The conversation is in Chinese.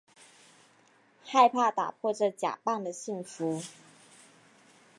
害怕打破这假扮的幸福